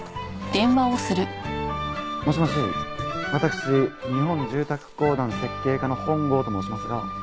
もしもし私日本住宅公団設計課の本郷と申しますが。